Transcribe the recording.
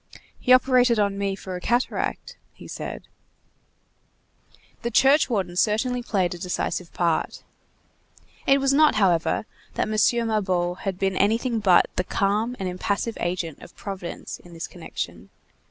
"He operated on me for a cataract," he said. The churchwarden had certainly played a decisive part. It was not, however, that M. Mabeuf had been anything but the calm and impassive agent of Providence in this connection.